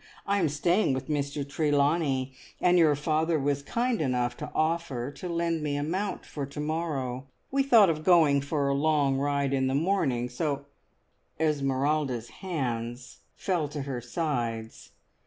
I am staying with Mr Trelawney, and your father was kind enough to offer to lend me a mount for to morrow. We thought of going for a long ride in the morning, so " Esmeralda's hands fell to her sides.